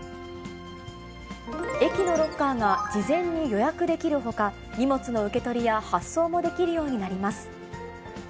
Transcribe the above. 駅のロッカーが事前に予約できるほか、荷物の受け取りや発送もできるようになります。